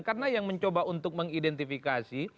karena yang mencoba untuk mengidentifikasi